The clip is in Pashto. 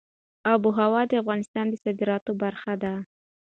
آب وهوا د افغانستان د صادراتو برخه ده.